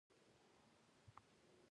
چټک حرکت سرعت زیاتوي.